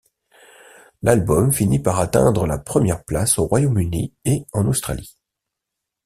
L'album finit par atteindre la première place au Royaume-Uni et en Australie.